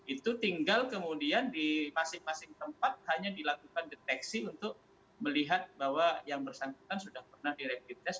itu tinggal kemudian di masing masing tempat hanya dilakukan deteksi untuk melihat bahwa yang bersangkutan sudah pernah di rapid test